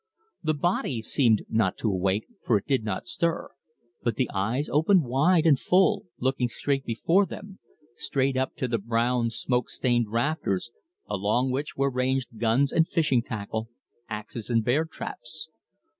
The body seemed not to awake, for it did not stir, but the eyes opened wide and full, looking straight before them straight up to the brown smoke stained rafters, along which were ranged guns and fishing tackle, axes and bear traps.